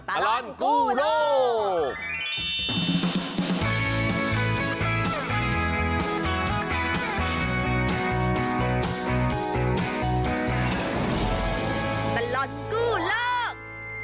ตลอดกู้โลก